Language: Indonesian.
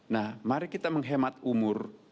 nah mari kita menghemat umur